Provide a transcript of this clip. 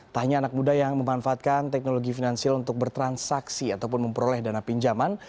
tak hanya anak muda yang memanfaatkan teknologi finansial untuk bertransaksi ataupun memperoleh dana pinjaman